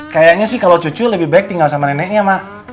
kayaknya sih kalau cucu lebih baik tinggal sama neneknya mak